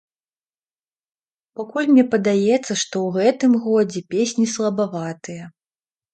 Пакуль мне падаецца, што ў гэтым годзе песні слабаватыя.